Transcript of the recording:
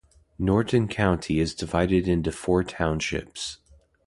Norton County is divided into four townships.